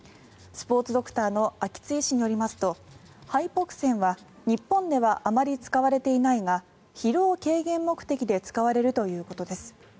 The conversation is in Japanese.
スポーツドクターの秋津医師によりますとハイポクセンは日本ではあまり使われていないが疲労軽減目的で使われるということです。